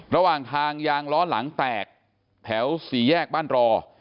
ระหว่างทางยางล้อหลังแตกแถวสี่แยกบ้านรอ